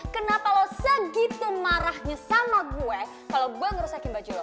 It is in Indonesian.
kenapa lo segitu marahnya sama gue kalau gue ngerusakin baju lo